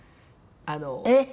えっ！